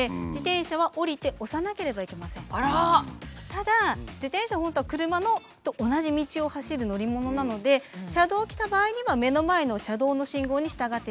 ただ自転車は本当は車と同じ道を走る乗り物なので車道を来た場合には目の前の車道の信号に従っていただきます。